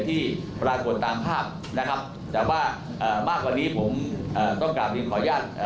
ที่ปรากฏตามภาพนะครับมากกว่านี้ผมต้องขออาหาร